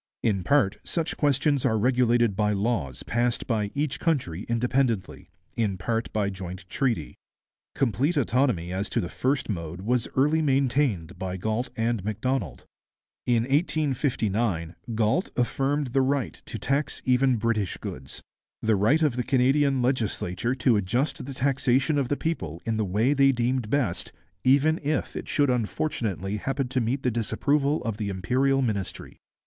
In part such questions are regulated by laws passed by each country independently, in part by joint treaty. Complete autonomy as to the first mode was early maintained by Galt and Macdonald. In 1859 Galt affirmed the right to tax even British goods, 'the right of the Canadian legislature to adjust the taxation of the people in the way they deemed best, even if it should unfortunately happen to meet the disapproval of the Imperial Ministry.'